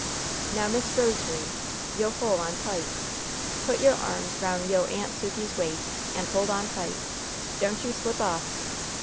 "Now, Miss Rose'ry, yo' hole on tight. Put yo' arms 'roun' yo' Aunt Sukey's waist, and hole on tight. Don't you slip off!